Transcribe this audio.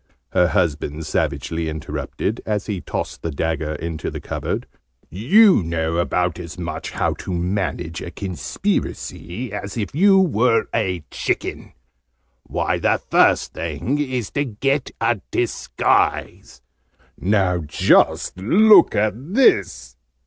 her husband savagely interrupted, as he tossed the dagger into the cupboard. "You know about as much how to manage a Conspiracy as if you were a chicken. Why, the first thing is to get a disguise. Now, just look at this!"